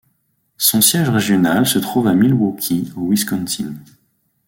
Son siège régional se trouve à Milwaukee au Wisconsin.